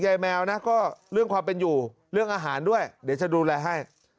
แมวนะก็เรื่องความเป็นอยู่เรื่องอาหารด้วยเดี๋ยวจะดูแลให้